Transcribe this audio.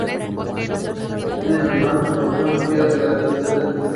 Tiene en sus manos el control mundial de esta disciplina.